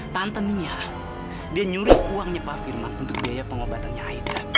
tante nia dia nyuruh uangnya pak firman untuk biaya pengobatannya aida